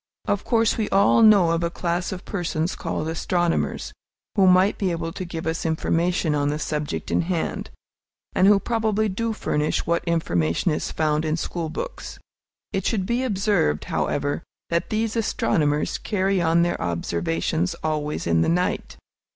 Of course, we all know of a class of persons called astronomers, who might be able to give us information on the subject in hand, and who probably do furnish what information is found in school books. It should be observed, however, that these astronomers carry on their observations always in the night.